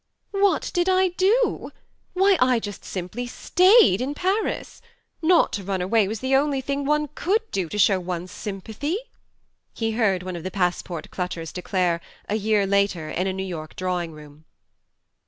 ("What did I do ? Why, I just simply stayed in Paris. ... Not to run away was the only thing one could do to show one's sympathy," he heard one of the passport clutchers declare, a year later, in a New York drawing room.)